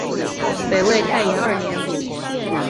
北魏太延二年。